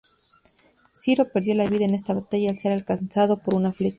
Ciro perdió la vida en esta batalla al ser alcanzado por una flecha.